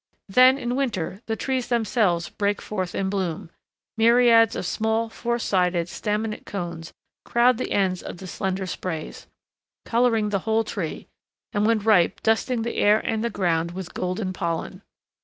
Then in winter the trees themselves break forth in bloom, myriads of small four sided staminate cones crowd the ends of the slender sprays, coloring the whole tree, and when ripe dusting the air and the ground with golden pollen.